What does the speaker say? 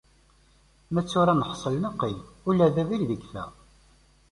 Ma d tura neḥsel neqqim, ula d abrid yekfa.